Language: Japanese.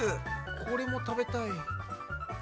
これも食べたい。